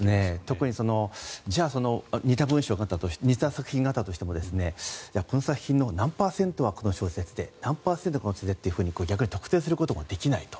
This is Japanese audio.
特にじゃあ似た作品があったとしてこの作品の何パーセントはこの小説で何パーセントはこの小説でと逆に特定することができないと。